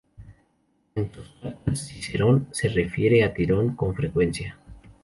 En sus cartas, Cicerón se refiere a Tirón con frecuencia.